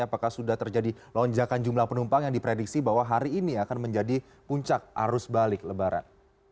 apakah sudah terjadi lonjakan jumlah penumpang yang diprediksi bahwa hari ini akan menjadi puncak arus balik lebaran